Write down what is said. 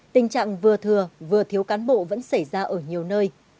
tình trạng vừa thừa vừa thiếu cán bộ vẫn xảy ra ở nhiều nơi